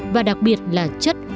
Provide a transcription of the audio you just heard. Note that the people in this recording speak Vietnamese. và đặc biệt là chất